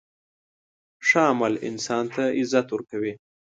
ښه عمل انسان ته عزت ورکوي.